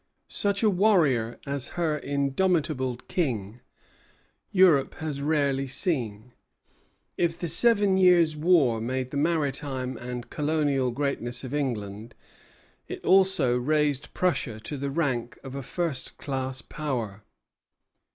Such a warrior as her indomitable king Europe has rarely seen. If the Seven Years War made the maritime and colonial greatness of England, it also raised Prussia to the rank of a first class Power.